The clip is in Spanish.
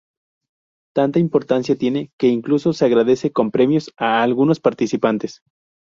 Tanta importancia tiene, que incluso se agradece con premios a algunos participantes.